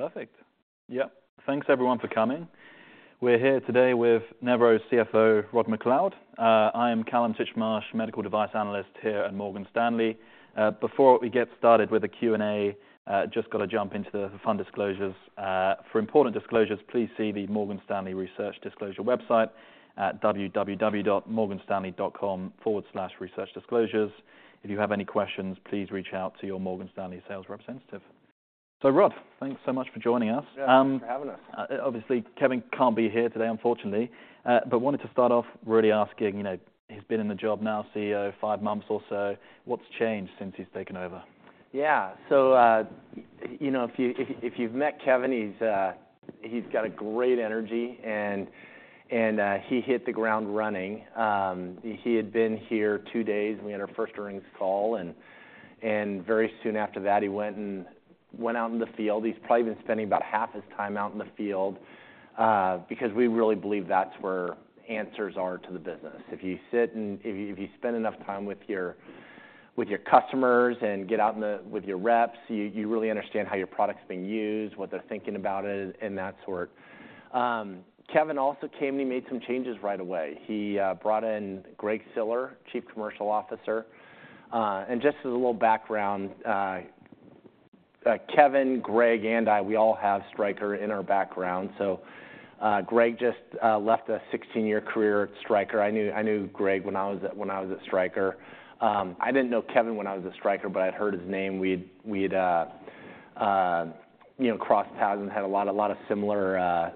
Perfect. Yep, thanks everyone for coming. We're here today with Nevro's CFO, Rod MacLeod. I am Kallum Titchmarsh, medical device analyst here at Morgan Stanley. Before we get started with the Q&A, just got to jump into the fun disclosures. For important disclosures, please see the Morgan Stanley Research Disclosure website at www.morganstanley.com/researchdisclosures. If you have any questions, please reach out to your Morgan Stanley sales representative. So Rod, thanks so much for joining us. Yeah, thanks for having us. Obviously, Kevin can't be here today, unfortunately, but wanted to start off really asking, you know, he's been in the job now, CEO, five months or so, what's changed since he's taken over? Yeah. So, you know, if you've met Kevin, he's got a great energy and he hit the ground running. He had been here two days, and we had our first earnings call, and very soon after that, he went out in the field. He's probably been spending about half his time out in the field, because we really believe that's where answers are to the business. If you spend enough time with your customers and get out in their with your reps, you really understand how your product's being used, what they're thinking about it, and that sort. Kevin also came, and he made some changes right away. He brought in Greg Siller, Chief Commercial Officer. Just as a little background, Kevin, Greg, and I, we all have Stryker in our background. So, Greg just left a 16-year career at Stryker. I knew Greg when I was at Stryker. I didn't know Kevin when I was at Stryker, but I'd heard his name. We'd, you know, crossed paths and had a lot of similar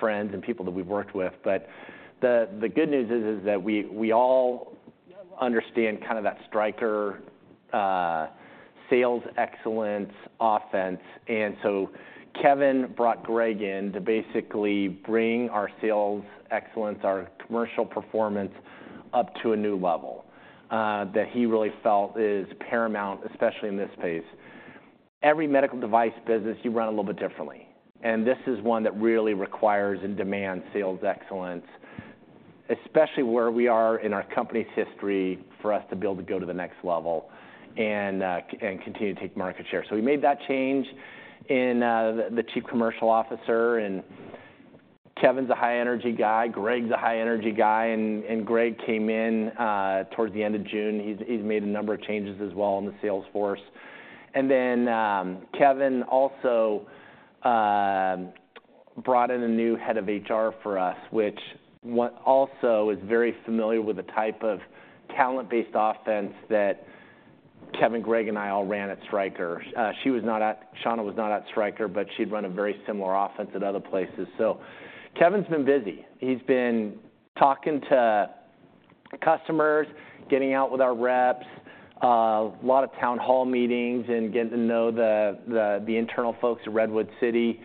friends and people that we've worked with. But the good news is that we all understand kind of that Stryker sales excellence offense. And so Kevin brought Greg in to basically bring our sales excellence, our commercial performance, up to a new level that he really felt is paramount, especially in this space. Every medical device business, you run a little bit differently, and this is one that really requires and demands sales excellence, especially where we are in our company's history, for us to be able to go to the next level and continue to take market share. So we made that change in the Chief Commercial Officer, and Kevin's a high-energy guy, Greg's a high-energy guy, and Greg came in towards the end of June. He's made a number of changes as well in the sales force. And then Kevin also brought in a new head of HR for us, which one also is very familiar with the type of talent-based offense that Kevin, Greg, and I all ran at Stryker. She was not at, Shauna was not at Stryker, but she'd run a very similar offense at other places. So Kevin's been busy. He's been talking to customers, getting out with our reps, a lot of town hall meetings and getting to know the internal folks at Redwood City.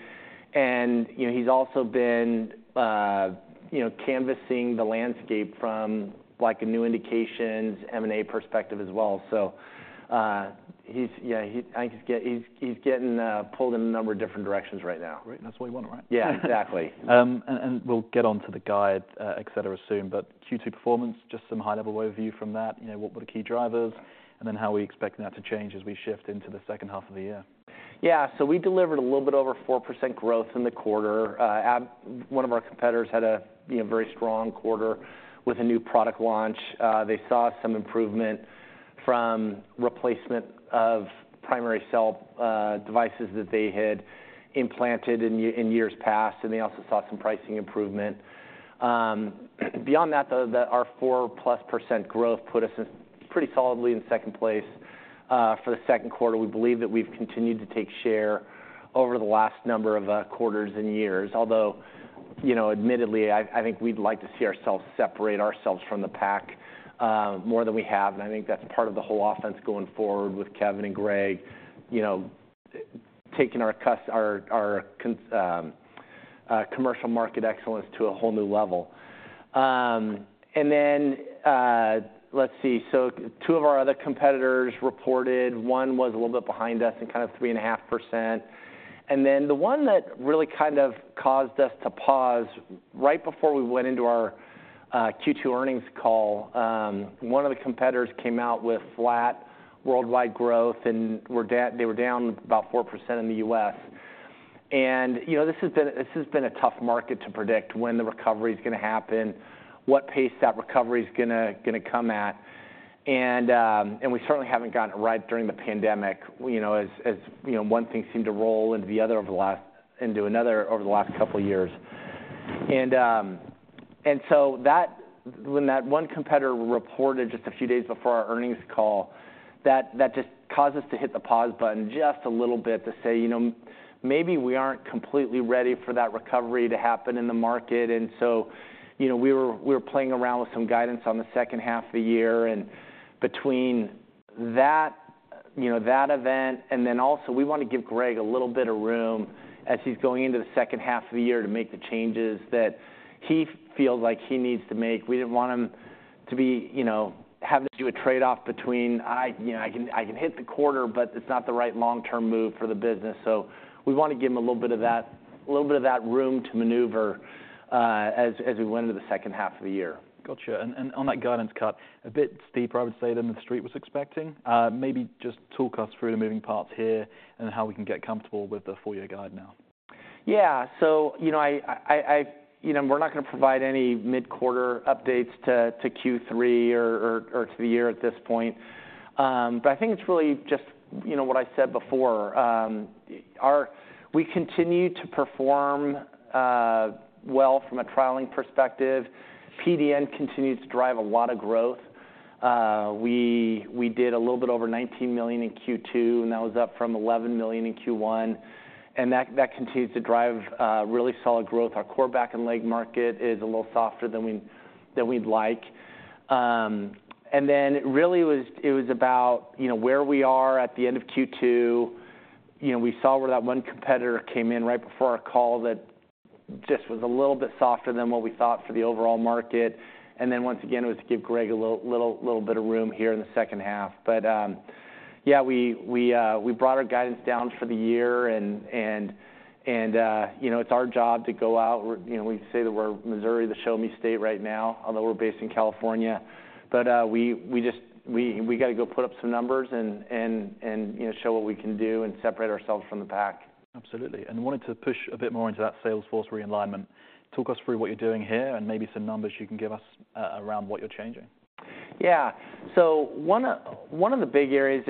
And, you know, he's also been, you know, canvassing the landscape from, like, a new indications, M&A perspective as well. So, he's. Yeah, I think he's getting pulled in a number of different directions right now. Great. That's what we want, right? Yeah, exactly. And we'll get on to the guide, etc, soon. But Q2 performance, just some high-level overview from that. You know, what were the key drivers, and then how are we expecting that to change as we shift into the second half of the year? Yeah. So we delivered a little bit over 4% growth in the quarter. One of our competitors, had a, you know, very strong quarter with a new product launch. They saw some improvement from replacement of primary cell devices that they had implanted in years past, and they also saw some pricing improvement. Beyond that, though, our 4%+ growth put us in pretty solidly in second place for the Q2. We believe that we've continued to take share over the last number of quarters and years. Although, you know, admittedly, I think we'd like to see ourselves separate ourselves from the pack more than we have. I think that's part of the whole offense going forward with Kevin and Greg, you know, taking our commercial market excellence to a whole new level. And then, lets see so, two of our other competitors reported. One was a little bit behind us in kind of 3.5%. And then the one that really kind of caused us to pause right before we went into our Q2 earnings call, one of the competitors came out with flat worldwide growth, and they were down about 4% in the U.S. And, you know, this has been a tough market to predict when the recovery is going to happen, what pace that recovery is gonna come at. We certainly haven't gotten it right during the pandemic, you know, as, you know, one thing seemed to roll into the other over the last, into another over the last couple of years. And so that, when that one competitor reported just a few days before our earnings call, that just caused us to hit the pause button just a little bit to say, "You know, maybe we aren't completely ready for that recovery to happen in the market." And so, you know, we were playing around with some guidance on the second half of the year, and between that, you know, that event, and then also we want to give Greg a little bit of room as he's going into the second half of the year to make the changes that he feels like he needs to make. We didn't want him to be, you know, having to do a trade-off between, "I, you know, I can, I can hit the quarter, but it's not the right long-term move for the business." So we want to give him a little bit of that, a little bit of that room to maneuver, as we went into the second half of the year. Got you. And on that guidance cut, a bit steeper, I would say, than the street was expecting. Maybe just talk us through the moving parts here and how we can get comfortable with the full year guide now. Yeah, so, you know, we're not going to provide any mid-quarter updates to Q3 or to the year at this point. But I think it's really just, you know, what I said before. We continue to perform well from a trialing perspective. PDN continues to drive a lot of growth. We did a little bit over $19 million in Q2, and that was up from $11 million in Q1, and that continues to drive really solid growth. Our core back and leg market is a little softer than we'd like. And then it was about, you know, where we are at the end of Q2. You know, we saw where that one competitor came in right before our call, that just was a little bit softer than what we thought for the overall market. And then once again, it was to give Greg a little bit of room here in the second half. But, yeah, we brought our guidance down for the year and, you know, it's our job to go out. We're, you know, we say that we're Missouri, the Show Me State, right now, although we're based in California. But, we just, we got to go put up some numbers and, you know, show what we can do and separate ourselves from the pack. Absolutely. And I wanted to push a bit more into that sales force realignment. Talk us through what you're doing here and maybe some numbers you can give us around what you're changing. Yeah. So one of the big areas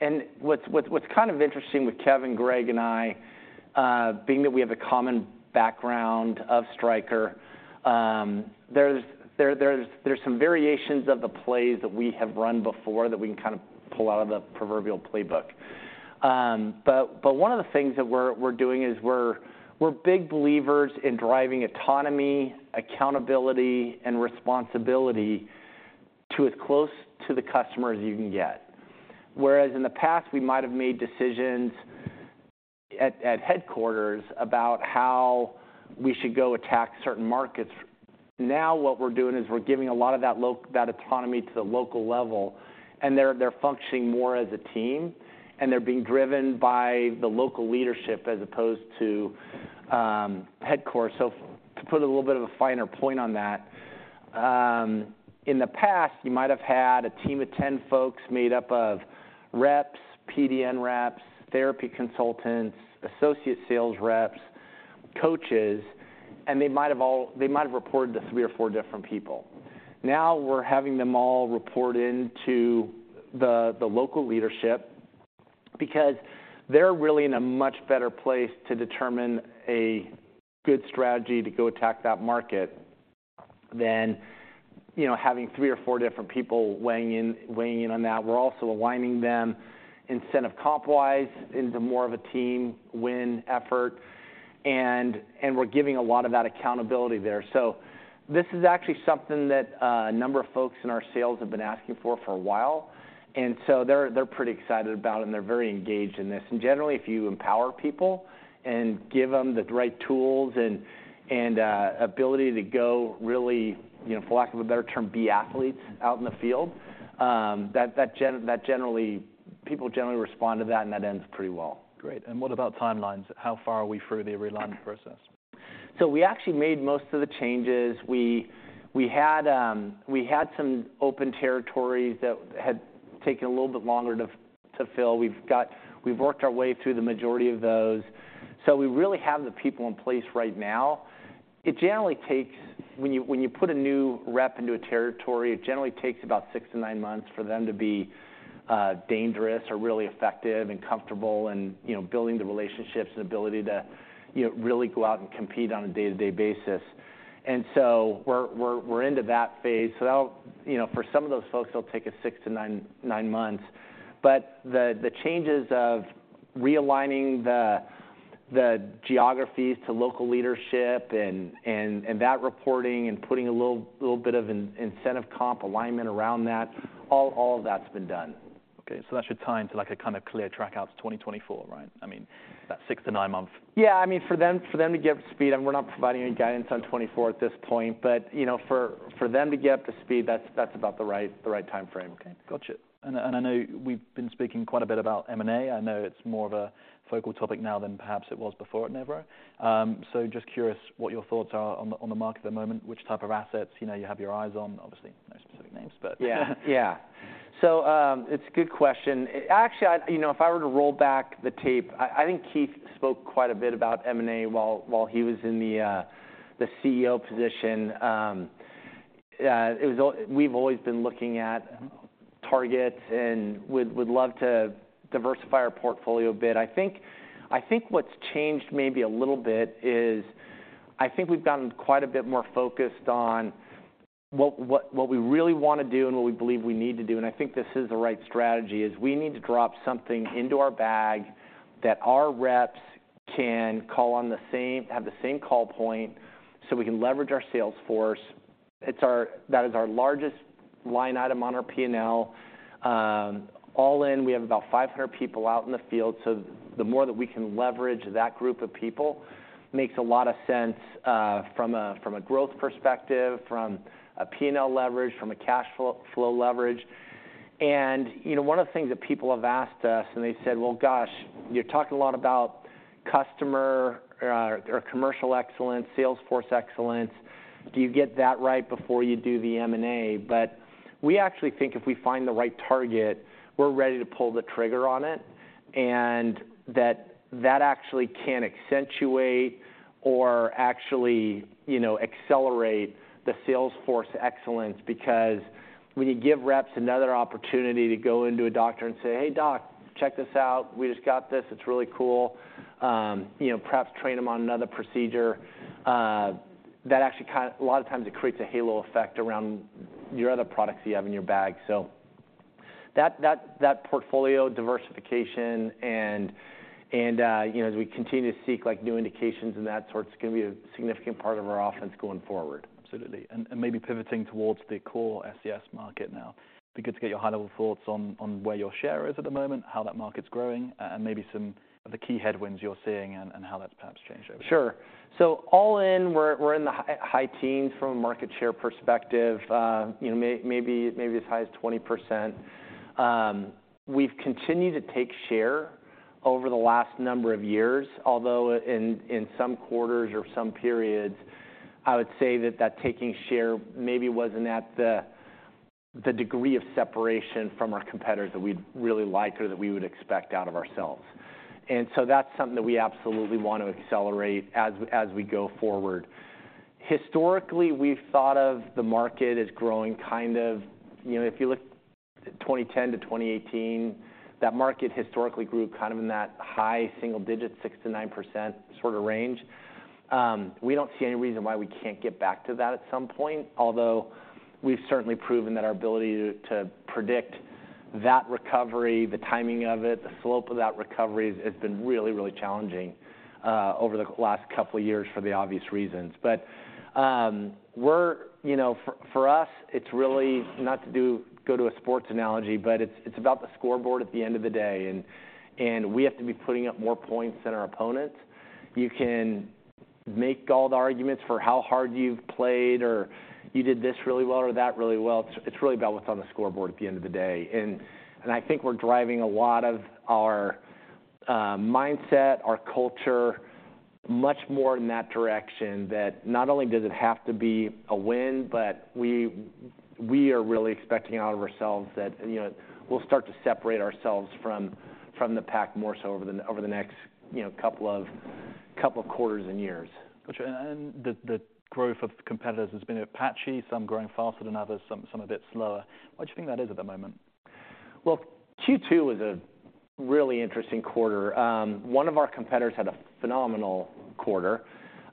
and what's kind of interesting with Kevin, Greg, and I, being that we have a common background of Stryker, there's some variations of the plays that we have run before that we can kind of pull out of the proverbial playbook. But one of the things that we're doing is we're big believers in driving autonomy, accountability, and responsibility to as close to the customer as you can get. Whereas in the past, we might have made decisions at headquarters about how we should go attack certain markets, now what we're doing is we're giving a lot of that autonomy to the local level, and they're functioning more as a team, and they're being driven by the local leadership as opposed to headquarters. So to put a little bit of a finer point on that, in the past, you might have had a team of 10 folks made up of reps, PDN reps, therapy consultants, associate sales reps, coaches, and they might have reported to three or four different people. Now, we're having them all report into the local leadership because they're really in a much better place to determine a good strategy to go attack that market than, you know, having three or four different people weighing in, weighing in on that. We're also aligning them incentive comp-wise into more of a team win effort, and we're giving a lot of that accountability there. So this is actually something that a number of folks in our sales have been asking for for a while, and so they're pretty excited about it, and they're very engaged in this. And generally, if you empower people and give them the right tools and ability to go really, you know, for lack of a better term, be athletes out in the field, that generally, people generally respond to that, and that ends pretty well. Great. And what about timelines? How far are we through the realignment process? So we actually made most of the changes. We had some open territories that had taken a little bit longer to fill. We've got. We've worked our way through the majority of those. So we really have the people in place right now. It generally takes. When you put a new rep into a territory, it generally takes about six to nine months for them to be dangerous or really effective and comfortable and, you know, building the relationships and ability to, you know, really go out and compete on a day-to-day basis. And so we're into that phase. So that'll, you know, for some of those folks, it'll take us six to nine months. But the changes of realigning the geographies to local leadership and that reporting and putting a little bit of an incentive comp alignment around that, all of that's been done. Okay, so that should tie into, like, a kind of clear track out to 2024, right? I mean, that six to nine months. Yeah. I mean, for them to get up to speed, and we're not providing any guidance on 2024 at this point, but, you know, for them to get up to speed, that's about the right time frame. Okay, got you. And I know we've been speaking quite a bit about M&A. I know it's more of a focal topic now than perhaps it was before at Nevro. So just curious what your thoughts are on the market at the moment, which type of assets, you know, you have your eyes on. Obviously, no specific names, but Yeah. So, it's a good question. Actually, you know, if I were to roll back the tape, I think Keith spoke quite a bit about M&A while he was in the CEO position. We've always been looking at targets and would love to diversify our portfolio a bit. I think what's changed maybe a little bit is I think we've gotten quite a bit more focused on what we really want to do and what we believe we need to do, and I think this is the right strategy, is we need to drop something into our bag that our reps can call on the same call point, so we can leverage our sales force. That is our largest line item on our P&L. All in, we have about 500 people out in the field, so the more that we can leverage that group of people makes a lot of sense, from a growth perspective, from a P&L leverage, from a cash flow leverage. And, you know, one of the things that people have asked us, and they said: Well, gosh, you're talking a lot about customer or commercial excellence, sales force excellence. Do you get that right before you do the M&A? But we actually think if we find the right target, we're ready to pull the trigger on it, and that actually can accentuate or actually, you know, accelerate the sales force excellence. Because when you give reps another opportunity to go into a doctor and say, "Hey, doc, check this out. We just got this. It's really cool." You know, perhaps train them on another procedure that actually a lot of times it creates a halo effect around your other products you have in your bag. So that, that, that portfolio diversification and, and, you know, as we continue to seek, like, new indications and that sort, it's gonna be a significant part of our offense going forward. Absolutely. And, and maybe pivoting towards the core SCS market now, be good to get your high-level thoughts on, on where your share is at the moment, how that market's growing, and maybe some of the key headwinds you're seeing and, and how that's perhaps changed over. Sure. So all in, we're in the high teens from a market share perspective, you know, maybe as high as 20%. We've continued to take share over the last number of years, although in some quarters or some periods, I would say that taking share maybe wasn't at the degree of separation from our competitors that we'd really like to, or that we would expect out of ourselves. And so that's something that we absolutely want to accelerate as we go forward. Historically, we've thought of the market as growing, kind of. You know, if you look at 2010-2018, that market historically grew kind of in that high single digits, 6%-9% sort of range. We don't see any reason why we can't get back to that at some point, although we've certainly proven that our ability to predict that recovery, the timing of it, the slope of that recovery, has been really, really challenging over the last couple of years for the obvious reasons. But we're you know, for us, it's really not to go to a sports analogy, but it's about the scoreboard at the end of the day, and we have to be putting up more points than our opponents. You can make all the arguments for how hard you've played or you did this really well or that really well. It's really about what's on the scoreboard at the end of the day. And I think we're driving a lot of our mindset, our culture, much more in that direction, that not only does it have to be a win, but we are really expecting out of ourselves that, you know, we'll start to separate ourselves from the pack more so over the next, you know, couple of quarters and years. The growth of competitors has been a bit patchy, some growing faster than others, some a bit slower. Why do you think that is at the moment? Well, Q2 was a really interesting quarter. One of our competitors had a phenomenal quarter.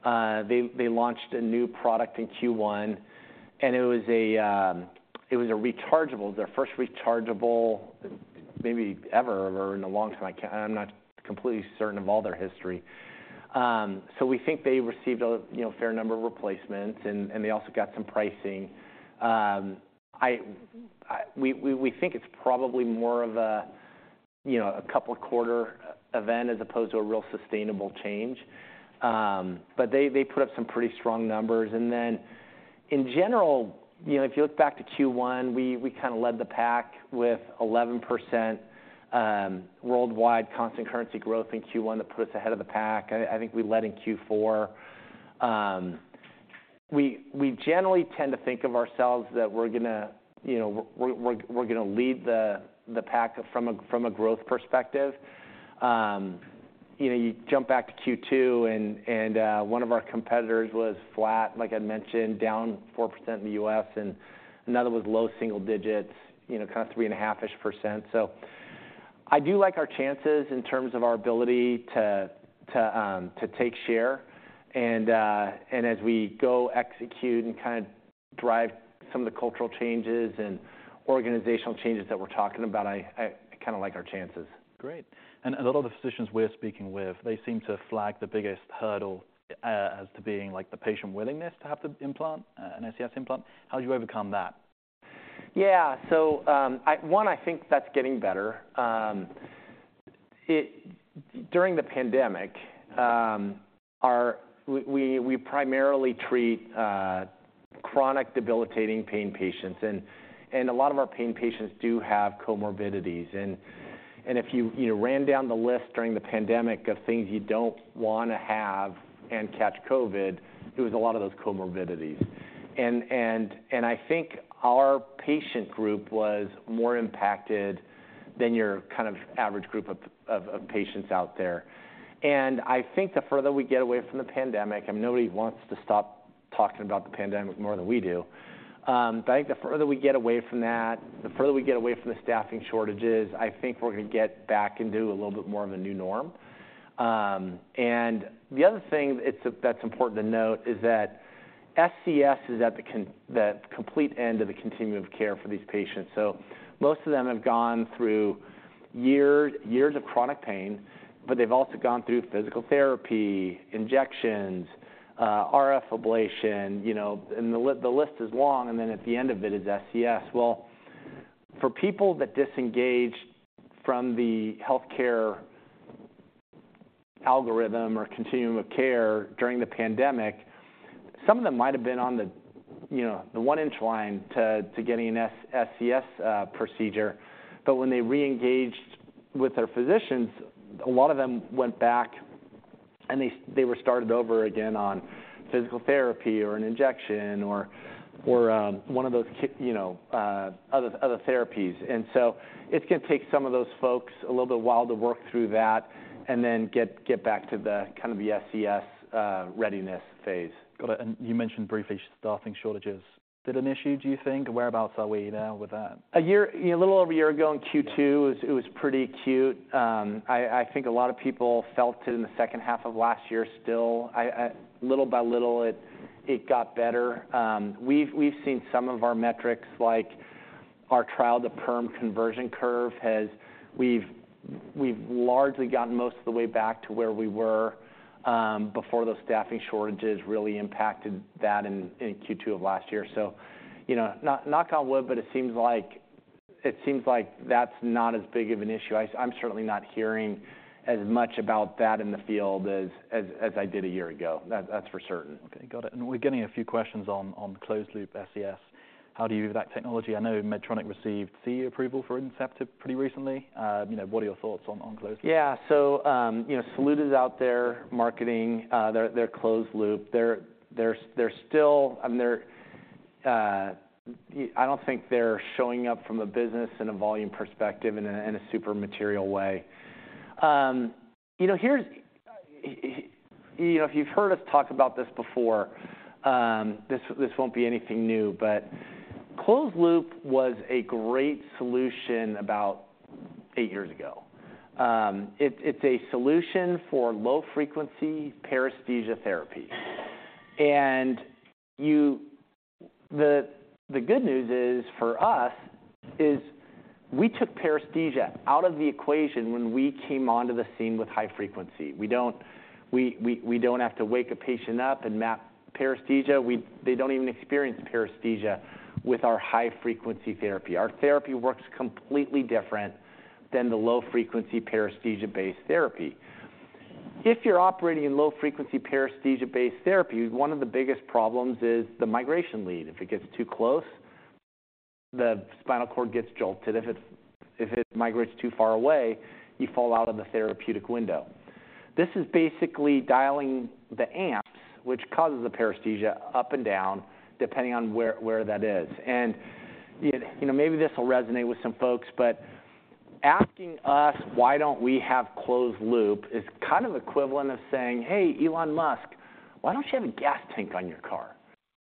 They launched a new product in Q1, and it was a rechargeable, their first rechargeable, maybe ever or in a long time. I can't. I'm not completely certain of all their history. So we think they received a, you know, fair number of replacements, and they also got some pricing. We think it's probably more of a, you know, a couple of quarter event as opposed to a real sustainable change. But they put up some pretty strong numbers. And then, in general, you know, if you look back to Q1, we kind of led the pack with 11% worldwide constant currency growth in Q1. That put us ahead of the pack. I think we led in Q4. We generally tend to think of ourselves that we're gonna, you know, we're gonna lead the pack from a growth perspective. You know, you jump back to Q2, and one of our competitors was flat, like I mentioned, down 4% in the U.S., and another was low single digits, you know, kind of 3.5%. So I do like our chances in terms of our ability to take share. And as we go execute and kind of drive some of the cultural changes and organizational changes that we're talking about, I kind of like our chances. Great. A lot of the physicians we're speaking with, they seem to flag the biggest hurdle, as to being like the patient willingness to have the implant, an SCS implant. How do you overcome that? Yeah. So, one, I think that's getting better. During the pandemic, we primarily treat chronic debilitating pain patients, and a lot of our pain patients do have comorbidities. And if you know ran down the list during the pandemic of things you don't wanna have and catch COVID, it was a lot of those comorbidities. And I think our patient group was more impacted than your kind of average group of patients out there. And I think the further we get away from the pandemic, I mean, nobody wants to stop talking about the pandemic more than we do. But I think the further we get away from that, the further we get away from the staffing shortages, I think we're gonna get back into a little bit more of a new norm. And the other thing that's important to note is that SCS is at the complete end of the continuum of care for these patients. So most of them have gone through years of chronic pain, but they've also gone through physical therapy, injections, RF ablation, you know, and the list is long, and then at the end of it is SCS. Well, for people that disengaged from the healthcare algorithm or continuum of care during the pandemic, some of them might have been on the, you know, the one inch line to getting an SCS procedure. But when they reengaged with their physicians, a lot of them went back and they were started over again on physical therapy or an injection or one of those, you know, other therapies. And so it's gonna take some of those folks a little bit while to work through that and then get back to the kind of the SCS readiness phase. Got it. And you mentioned briefly staffing shortages. Is it an issue, do you think? Whereabouts are we now with that? A year, a little over a year ago in Q2, it was pretty acute. I think a lot of people felt it in the second half of last year still. I little by little, it got better. We've seen some of our metrics, like our trial-to-perm conversion curve. We've largely gotten most of the way back to where we were, before those staffing shortages really impacted that in Q2 of last year. So, you know, knock, knock on wood, but it seems like that's not as big of an issue. I'm certainly not hearing as much about that in the field as I did a year ago. That's for certain. Okay, got it. And we're getting a few questions on closed-loop SCS. How do you view that technology? I know Medtronic received CE approval for Inceptiv pretty recently. You know, what are your thoughts on closed-loop? Yeah. So, you know, Saluda is out there marketing their closed-loop. They're still, I don't think they're showing up from a business and a volume perspective in a super material way. You know, you know, if you've heard us talk about this before, this won't be anything new, but closed-loop was a great solution about eight years ago. It's a solution for low-frequency paresthesia therapy. And you, the good news is, for us, is we took paresthesia out of the equation when we came onto the scene with high frequency. We don't have to wake a patient up and map paresthesia. They don't even experience paresthesia with our high-frequency therapy. Our therapy works completely different than the low-frequency paresthesia-based therapy. If you're operating in low-frequency paresthesia-based therapy, one of the biggest problems is the migration lead. If it gets too close, the spinal cord gets jolted. If it migrates too far away, you fall out of the therapeutic window. This is basically dialing the amps, which causes the paresthesia up and down, depending on where that is. And, you know, maybe this will resonate with some folks, but asking us why don't we have closed loop is kind of equivalent of saying, "Hey, Elon Musk, why don't you have a gas tank on your car?"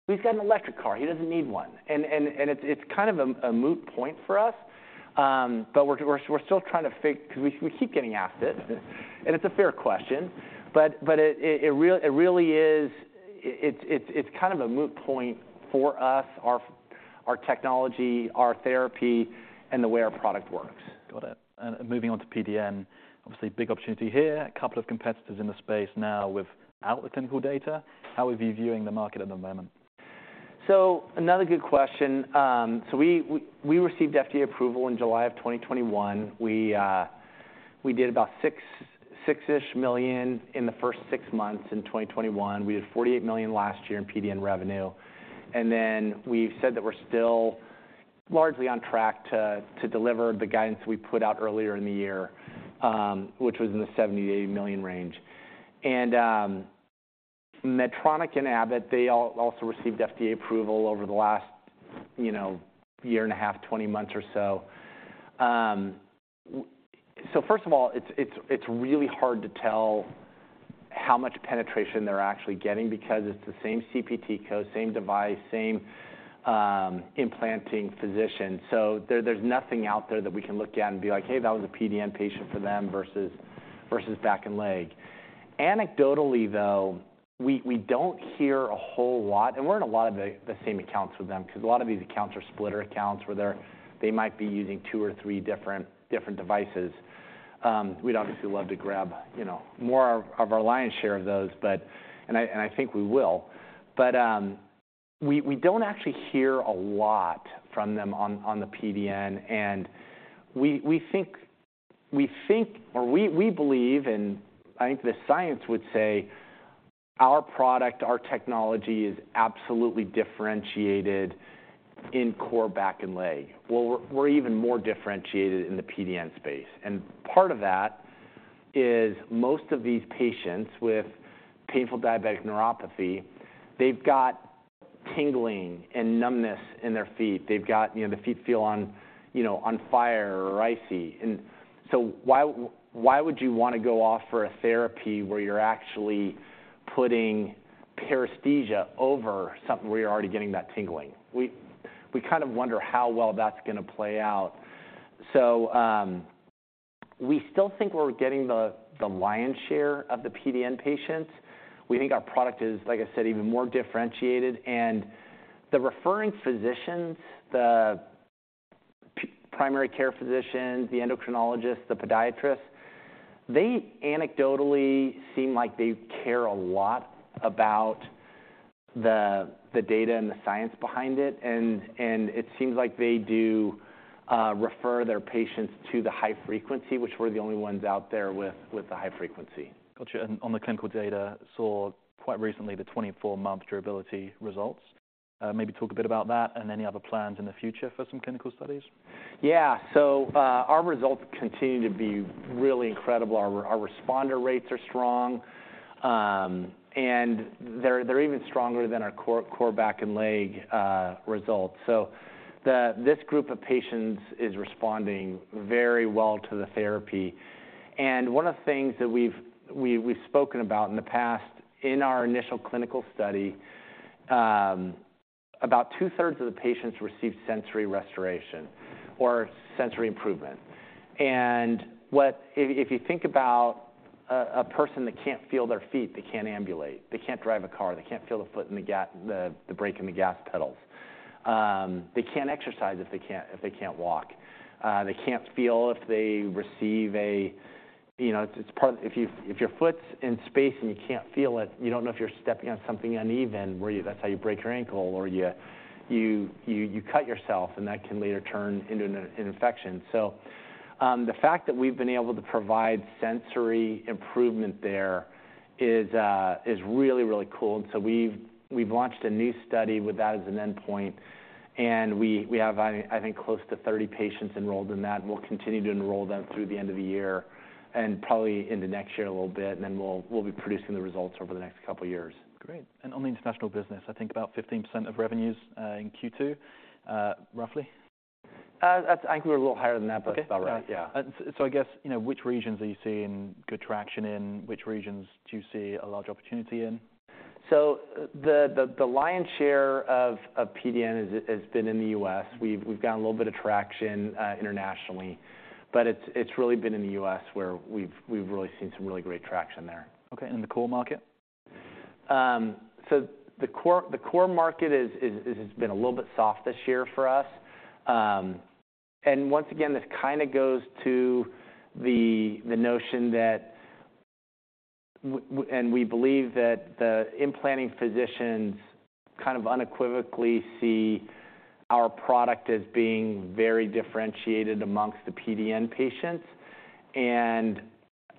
He's got an electric car, he doesn't need one. And it's kind of a moot point for us. But we're still trying to figure 'cause we keep getting asked it, and it's a fair question, but it really is, it's kind of a moot point for us, our technology, our therapy, and the way our product works. Got it. Moving on to PDN, obviously, big opportunity here. A couple of competitors in the space now without clinical data. How are we viewing the market at the moment? So another good question. So we received FDA approval in July of 2021. We did about $6-ish million in the first six months in 2021. We did $48 million last year in PDN revenue, and then we've said that we're still largely on track to deliver the guidance we put out earlier in the year, which was in the $70-$80 million range. And Medtronic and Abbott, they also received FDA approval over the last, you know, year and a half, 20 months or so. So first of all, it's really hard to tell how much penetration they're actually getting because it's the same CPT code, same device, same implanting physician. So there's nothing out there that we can look at and be like, "Hey, that was a PDN patient for them versus back and leg." Anecdotally, though, we don't hear a whole lot, and we're in a lot of the same accounts with them, 'cause a lot of these accounts are splitter accounts, where they might be using two or three different devices. We'd obviously love to grab, you know, more of our lion's share of those, but, and I think we will. But, we don't actually hear a lot from them on the PDN, and we think, we believe, and I think the science would say, our product, our technology is absolutely differentiated in core, back, and leg. Well, we're even more differentiated in the PDN space, and part of that is most of these patients with painful diabetic neuropathy, they've got tingling and numbness in their feet. They've got, you know, the feet feel on, you know, on fire or icy. And so why would you want to go off for a therapy where you're actually putting paresthesia over something where you're already getting that tingling? We kind of wonder how well that's gonna play out. So, we still think we're getting the lion's share of the PDN patients. We think our product is, like I said, even more differentiated. And the referring Physicians, the primary care Physicians, The Endocrinologists, The Podiatrists, they anecdotally seem like they care a lot about the data and the science behind it. It seems like they do refer their patients to the high frequency, which we're the only ones out there with, with the high frequency. Got you. On the clinical data, saw quite recently the 24-month durability results? Maybe talk a bit about that and any other plans in the future for some clinical studies? Yeah. So, our results continue to be really incredible. Our responder rates are strong, and they're even stronger than our core back and leg results. So this group of patients is responding very well to the therapy. And one of the things that we've spoken about in the past, in our initial clinical study, about two-thirds of the patients received sensory restoration or sensory improvement. And what if you think about a person that can't feel their feet, they can't ambulate, they can't drive a car, they can't feel the foot and the gas, the brake and the gas pedals. They can't exercise if they can't walk. They can't feel if they receive a, you know, it's part. If your foot's in space and you can't feel it, you don't know if you're stepping on something uneven, where you, that's how you break your ankle or you cut yourself, and that can later turn into an infection. So, the fact that we've been able to provide sensory improvement there is really, really cool. And so we've launched a new study with that as an endpoint, and we have, I think, close to 30 patients enrolled in that. We'll continue to enroll them through the end of the year and probably into next year a little bit, and then we'll be producing the results over the next couple of years. Great. On the international business, I think about 15% of revenues in Q2, roughly? That's. I think we're a little higher than that. Okay. But that's about right. Yeah. And so, I guess, you know, which regions are you seeing good traction in? Which regions do you see a large opportunity in? So the lion's share of PDN has been in the U.S. We've gotten a little bit of traction internationally, but it's really been in the U.S. where we've really seen some really great traction there. Okay, and the core market? So the core market is been a little bit soft this year for us. And once again, this kind a goes to the notion that we believe that the implanting physicians kind of unequivocally see our product as being very differentiated amongst the PDN patients. And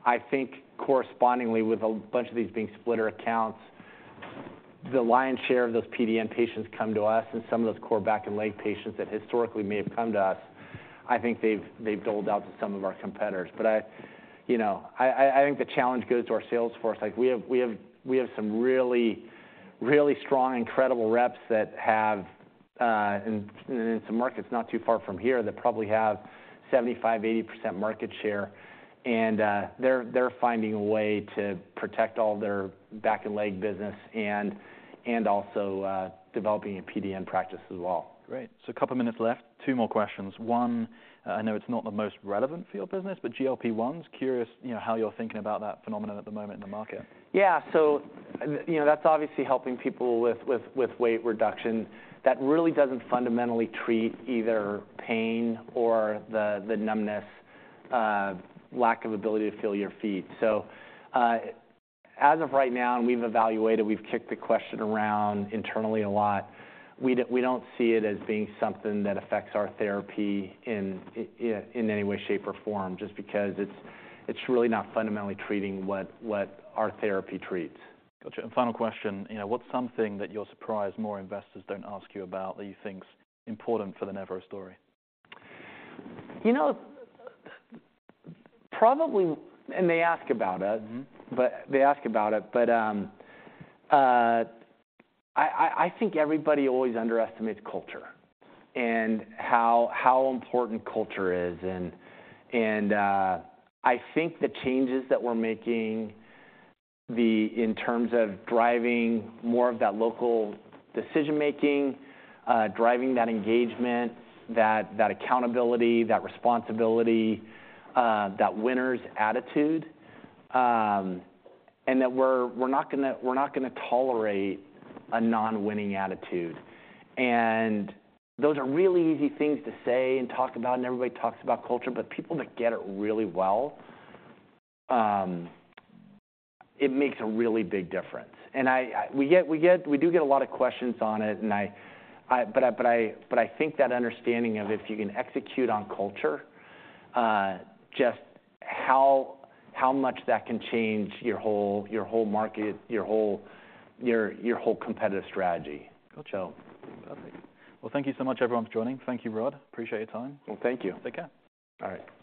I think correspondingly, with a bunch of these being splitter accounts, the lion's share of those PDN patients come to us, and some of those core back and leg patients that historically may have come to us, I think they've doled out to some of our competitors. But you know, I think the challenge goes to our sales force. Like, we have some really, really strong, incredible reps that have in some markets not too far from here that probably have 75%-80% market share, and they're finding a way to protect all their back and leg business and also developing a PDN practice as well. Great. So a couple of minutes left. Two more questions. One, I know it's not the most relevant for your business, but GLP-1s. Curious, you know, how you're thinking about that phenomenon at the moment in the market. Yeah. So, you know, that's obviously helping people with weight reduction. That really doesn't fundamentally treat either pain or the numbness, lack of ability to feel your feet. So, as of right now, and we've evaluated, we've kicked the question around internally a lot, we don't, we don't see it as being something that affects our therapy in any way, shape, or form, just because it's really not fundamentally treating what our therapy treats. Got you. Final question, you know, what's something that you're surprised more investors don't ask you about that you think is important for the Nevro story? You know, probably, and they ask about it- But they ask about it, but I think everybody always underestimates culture and how important culture is. I think the changes that we're making in terms of driving more of that local decision-making, driving that engagement, that accountability, that responsibility, that winner's attitude, and that we're not gonna tolerate a non-winning attitude. And those are really easy things to say and talk about, and everybody talks about culture, but people that get it really well, it makes a really big difference. And I. We do get a lot of questions on it, but I think that understanding of if you can execute on culture just how much that can change your whole market, your whole competitive strategy. Got you. Lovely. Well, thank you so much, everyone, for joining. Thank you, Rod. Appreciate your time. Well, thank you. Take care. All right.